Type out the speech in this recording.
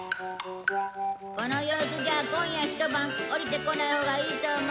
この様子じゃあ今夜一晩下りて来ないほうがいいと思うよ。